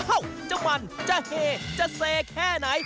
อ้าวจะมันจะเหจะเสแค่ไหน